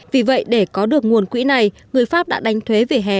vì vậy để có được nguồn quỹ này người pháp đã đánh thuế về hè